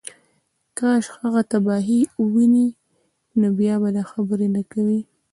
کاش هغه تباهۍ ووینې نو بیا به دا خبرې نه کوې